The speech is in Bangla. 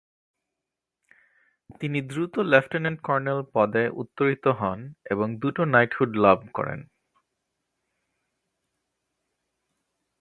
তিনি দ্রুত লেফটেন্যান্ট-কর্নেল পদে উত্তরিত হন এবং দুটো নাইটহুড লাভ করেন।